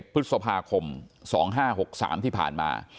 พฤษภาคม๒๕๖๓ที่ผ่านมา